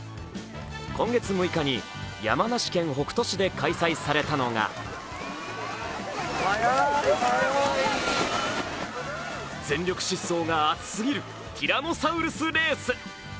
今月６日に山梨県北杜市で開催されたのが全力疾走が熱過ぎる、ティラノサウルスレース。